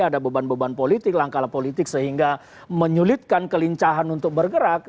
ada beban beban politik langkah langkah politik sehingga menyulitkan kelincahan untuk bergerak